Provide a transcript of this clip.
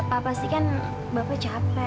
kasian bapak pasti kan bapak capek